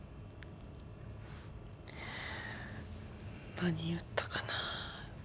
何言ったかな。